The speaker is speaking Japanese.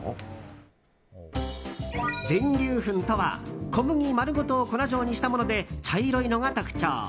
全粒粉とは小麦丸ごと粉状にしたもので茶色いのが特徴。